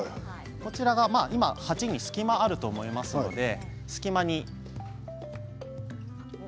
こちら、今鉢に隙間があると思いますので隙間に。